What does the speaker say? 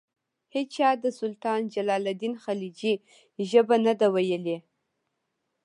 هیچا د سلطان جلال الدین خلجي ژبه نه ده ویلي.